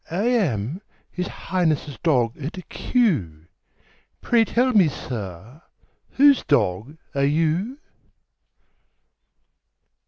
I am His Highness' dog at Kew; Pray tell me, sir, whose dog are you?